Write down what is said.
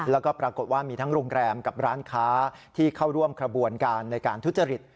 แล้วก็ปรากฏว่ามีทั้งโรงแรมกับร้านค้าที่เข้าร่วมขบวนการในการทุจริต